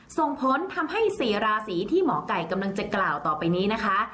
ส่งผลทำให้๔ราศีที่หมอไก่กำลังจะกล่าวต่อไปนี้นะคะ